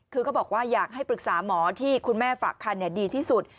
คือก็บอกว่าอยากให้ปรึกษาหมอที่คุณแม่ฝากคันดีที่สุด